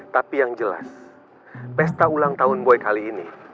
tapi yang jelas pesta ulang tahun boy kali ini